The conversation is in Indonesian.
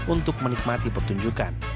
untuk menikmati pertunjukan